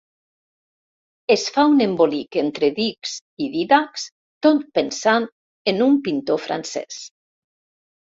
Es fa un embolic entre dics i Dídacs tot pensant en un pintor francès.